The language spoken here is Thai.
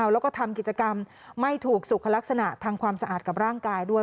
แล้วก็ทำกิจกรรมไม่ถูกสุขลักษณะทางความสะอาดกับร่างกายด้วย